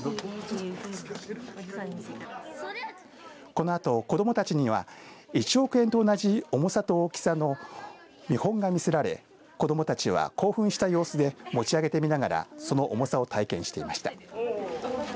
このあと、子どもたちには１億円と同じ重さと大きさの見本が見せられ子どもたちは興奮した様子で持ち上げてみながらその重さを体験していました。